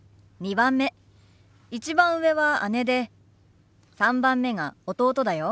１番上は姉で３番目が弟だよ。